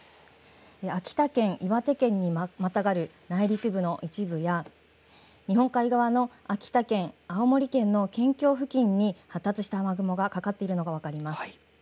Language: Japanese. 秋田県、岩手県にまたがり内陸部の一部や日本海側の秋田県、青森県の県境付近に発達した雨雲がかかっているのが分かります。